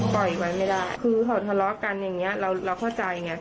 ปล่อยมันไม่ได้คือเขาทะเลาะกันอย่างเงี้ยเราเราเข้าใจไง